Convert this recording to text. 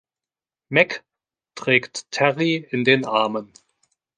Mac trägt Terry in den Armen.